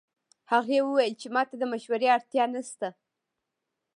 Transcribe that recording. هغې وویل چې ما ته د مشورې اړتیا نه شته